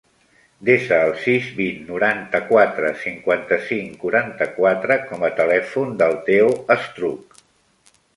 Desa el sis, vint, noranta-quatre, cinquanta-cinc, quaranta-quatre com a telèfon del Theo Estruch.